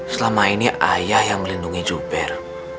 selama ini ayah yang melindungi juber